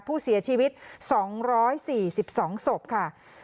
ผู้เสียชีวิต๒๔๒ศพค่ะ